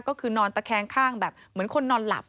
ก็คือนอนตะแคงข้างแบบเหมือนคนนอนหลับ